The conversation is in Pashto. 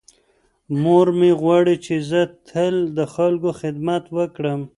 مور مې غواړي چې زه تل د خلکو خدمت وکړم.